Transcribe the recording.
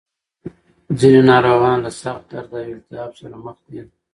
ځینې ناروغان له سخت درد او التهاب سره مخ دي.